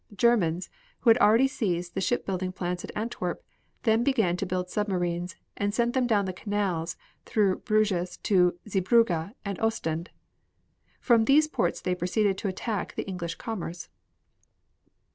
The Germans, who had already seized the shipbuilding plants at Antwerp, then began to build submarines, and sent them down the canals through Bruges to Zeebrugge and Ostend. From these ports they proceeded to attack the English commerce.